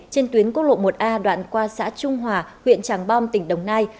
trên tuyến quốc lộ một a đoạn qua xã trung hòa huyện tràng bom tỉnh đồng nai